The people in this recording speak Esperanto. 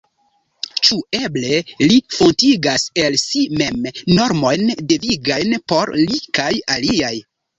Ĉu eble li fontigas el si mem normojn devigajn por li kaj aliaj?